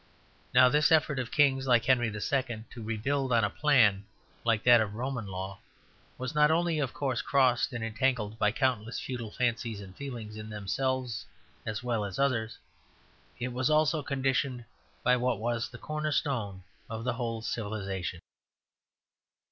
Now this effort of kings like Henry II. to rebuild on a plan like that of the Roman Law was not only, of course, crossed and entangled by countless feudal fancies and feelings in themselves as well as others, it was also conditioned by what was the corner stone of the whole civilization.